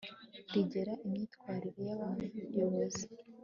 rigena imyitwarire y abayobozi